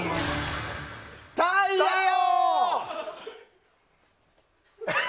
タイヤ王！